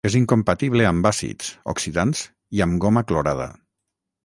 És incompatible amb àcids, oxidants, i amb goma clorada.